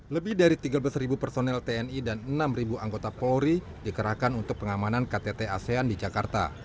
lebih dari tiga belas personel tni dan enam anggota polri dikerahkan untuk pengamanan ktt asean di jakarta